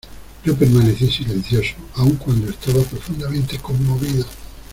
yo permanecí silencioso, aun cuando estaba profundamente conmovido.